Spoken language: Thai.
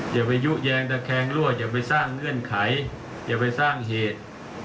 อย่าไปยุแยงตะแคงรั่วอย่าไปสร้างเงื่อนไขอย่าไปสร้างเหตุ